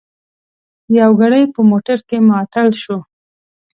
یو ګړی په موټر کې معطل شوو.